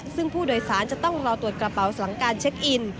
ซึ่งผู้โดยสารจะต้องรอตรวจกระเป๋าหลังการเช็คอิน